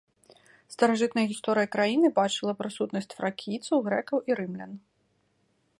Старажытная гісторыя краіны бачыла прысутнасць фракійцаў, грэкаў і рымлян.